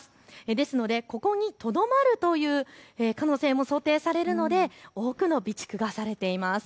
ですのでここにとどまるという可能性も想定されるので多くの備蓄がされています。